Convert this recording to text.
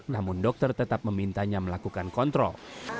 namun dokter tetap memintanya melakukan kontrol